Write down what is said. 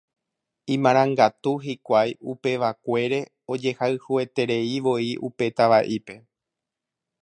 Imarangatu hikuái upevakuére ojehayhuetereivoi upe tava'ípe.